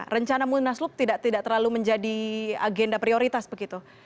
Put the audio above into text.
rencana munas lup tidak terlalu menjadi agenda prioritas begitu